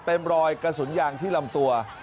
เป็นรอยกระสุนยางที่ลำตัว